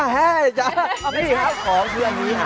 แห้งนี่ครับของเพื่อนนี้ค่ะ